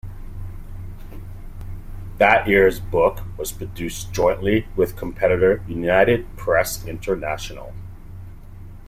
That year's book was produced jointly with competitor United Press International.